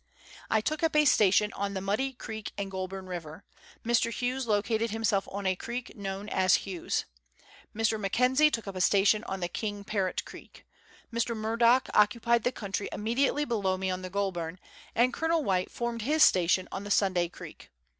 I took up a station on the Muddy Creek and Goulburn River. Mr. Hughes located himself on a creek known as Hughes's. Mr. McKenzie took up a station on the King Parrot Creek. Mr. Murdock occupied the country immediately below me on the Goulburn ; and Colonel White formed his station on the Sunday Creek.